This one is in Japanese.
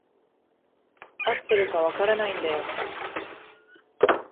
合ってるか分からないんだよ。